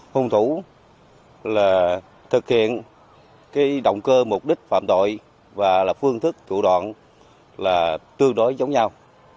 hùng thủ là thực hiện động cơ mục đích phạm tội và phương thức thủ đoạn tương đối giống nhau